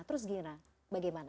terus gila bagaimana